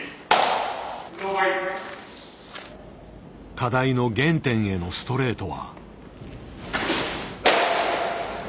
課題の原点へのストレートは。